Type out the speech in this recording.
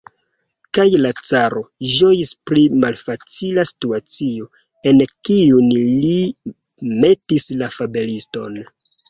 Kaj la caro ĝojis pri malfacila situacio, en kiun li metis la fabeliston.